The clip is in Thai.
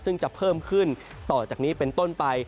ซึ่งจะเพิ่มขึ้นต่อจากนี้เป็นต้นไป